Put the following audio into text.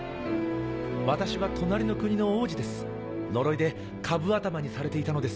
私は隣の国の王子です呪いでカブ頭にされていたのです。